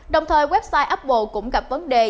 đồng thời website apple cũng gặp vấn đề